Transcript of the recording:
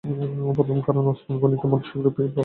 প্রথম কারণ-ওসমান গনিকে মানসিক রুপী বলে মনে হচ্ছে না।